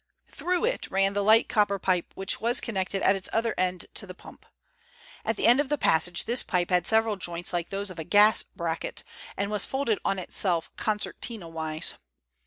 Through it ran the light copper pipe which was connected at its other end to the pump. At the end of the passage this pipe had several joints like those of a gas bracket, and was folded on itself concertina wise.